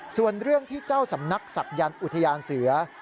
ส่วนเรื่องที่เจ้าสำนักศักยันต์อุทยานเสือ